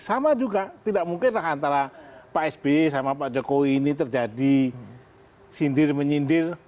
sama juga tidak mungkinlah antara pak sby sama pak jokowi ini terjadi sindir menyindir